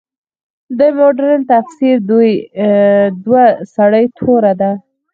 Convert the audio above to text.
د مډرن تفسیر دوه سرې توره ده.